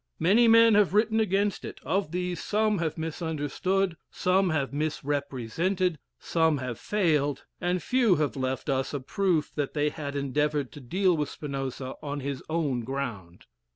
Many men have written against it; of these some have misunderstood, some have misrepresented, some have failed, and few have left us a proof that they had endeavored to deal with Spinoza on his own ground.